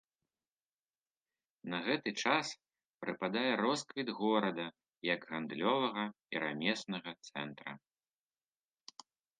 На гэты час прыпадае росквіт горада як гандлёвага і рамеснага цэнтра.